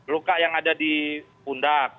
luka yang ada di pundak